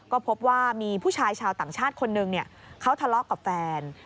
ก็พบว่ามีผู้ชายชาวต่างชาติคนหนึ่งเขาทะเลาะกับแฟน